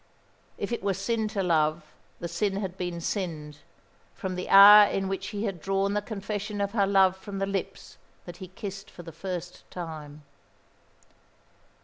If it were sin to love, the sin had been sinned; from the hour in which he had drawn the confession of her love from the lips that he kissed for the first time.